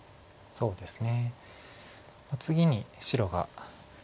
そうですね。